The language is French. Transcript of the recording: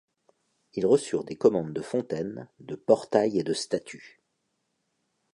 Ils reçurent des commandes de fontaines, de portails et de statues.